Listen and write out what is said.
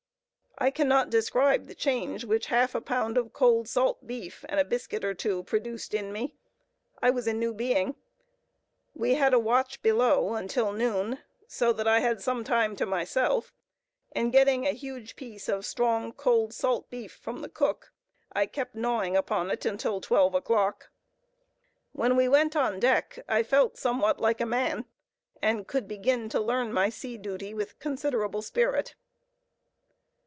I cannot describe the change which half a pound of cold salt beef and a biscuit or two produced in me. I was a new being. We had a watch below until noon, so that I had some time to myself; and getting a huge piece of strong, cold salt beef from the cook, I kept gnawing upon it until twelve o'clock. When we went on deck I felt somewhat like a man, and could begin to learn my sea duty with considerable spirit.